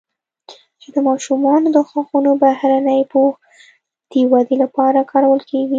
چې د ماشومانو د غاښونو بهرني پوښ د ودې لپاره کارول کېږي